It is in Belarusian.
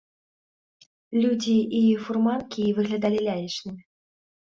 Людзі і фурманкі выглядалі лялечнымі.